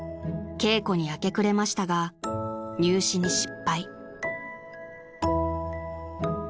［稽古に明け暮れましたが入試に失敗］